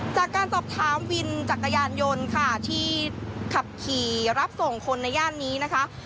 จากการสอบถามวินจักรยานยนต์ค่ะที่ขับขี่รับส่งคนในย่านนี้นะคะ